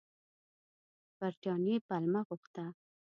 برټانیې پلمه غوښته.